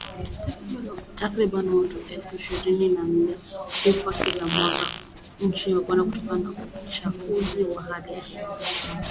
Takribani watu elfu ishirini na nane hufa kila mwaka nchini Uganda kutokana na uchafuzi wa hali ya hewa